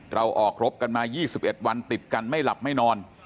เราออกรบกันมายี่สิบเอ็ดวันติดกันไม่หลับไม่นอน